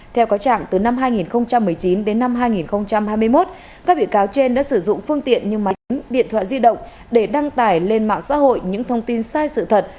theo có trạng từ năm hai nghìn một mươi chín đến năm hai nghìn hai mươi một các bị cáo trên đã sử dụng phương tiện như máy điện thoại di động để đăng tải lên mạng xã hội những thông tin sai sự thật